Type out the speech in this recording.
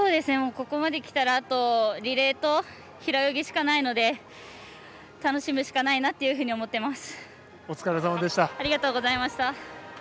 ここまできたらリレーと平泳ぎしかないので楽しむしかないなと思っています。